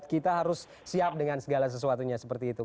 kita harus siap dengan segala sesuatunya seperti itu